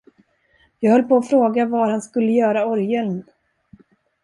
Jag höll på att fråga, var han skulle göra orgeln.